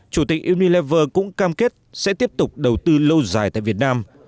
chủ tịch unilever cũng cam kết sẽ tiếp tục đầu tư lâu dài tại việt nam